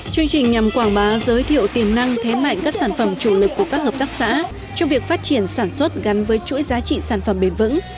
chương trình nhằm quảng bá giới thiệu tiềm năng thế mạnh các sản phẩm chủ lực của các hợp tác xã trong việc phát triển sản xuất gắn với chuỗi giá trị sản phẩm bền vững